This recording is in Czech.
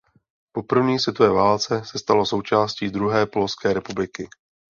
Po první světové válce se stalo součástí druhé Polské republiky.